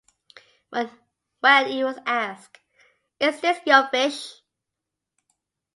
When he was asked, Is this your fish?